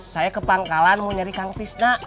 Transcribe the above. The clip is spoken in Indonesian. saya ke pangkalan mau nyari kang pizda